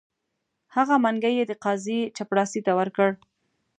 هغه منګی یې د قاضي چپړاسي ته ورکړ.